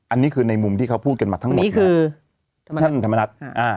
อันนี้คือในมุมที่เขาพูดกันมาทั้งหมดคือท่านธรรมนัฐอ่า